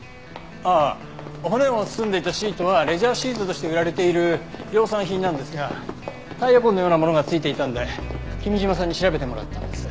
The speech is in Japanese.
あっ骨を包んでいたシートはレジャーシートとして売られている量産品なんですがタイヤ痕のようなものがついていたので君嶋さんに調べてもらったんです。